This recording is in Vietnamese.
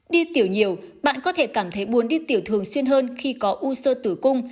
đi tiểu nhiều bạn có thể cảm thấy muốn đi tiểu thường xuyên hơn khi có u sơ tử cung